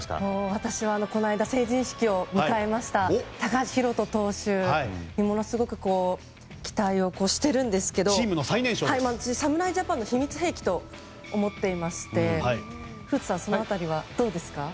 私は成人式をこの間迎えた高橋宏斗投手にものすごく期待をしているんですが侍ジャパンの秘密兵器と思っていまして古田さん、その辺りはどうですか？